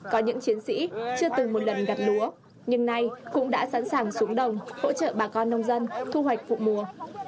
có những chiến sĩ chưa từng một lần đặt lúa nhưng nay cũng đã sẵn sàng xuống đồng hỗ trợ bà con nông dân thu hoạch vụ mùa